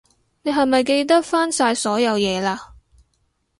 你係咪記得返晒所有嘢喇？